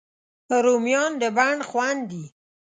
رومیان د بڼ خوند دي